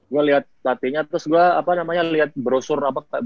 gue lihat pelatihnya terus gue apa namanya lihat brosur apa